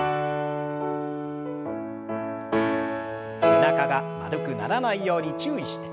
背中が丸くならないように注意して。